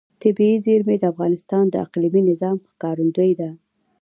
طبیعي زیرمې د افغانستان د اقلیمي نظام ښکارندوی ده.